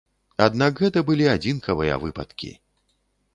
Аднак, гэта былі адзінкавыя выпадкі.